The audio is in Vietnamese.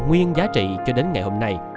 nguyên giá trị cho đến ngày hôm nay